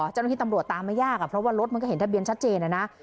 เจ้าหน้าที่ตำรวจตามไม่ยากเพราะว่ารถมันก็เห็นทะเบียนชัดเจนนะ